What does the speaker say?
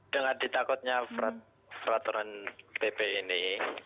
dengan ditakutnya peraturan pp ini